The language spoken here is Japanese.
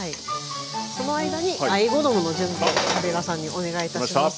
その間にあえ衣の準備をカビラさんにお願いいたします。